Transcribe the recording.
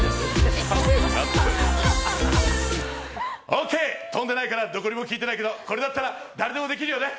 オーケー、跳んでないからどこにも効いてないけどこれだったら誰でもできるよね。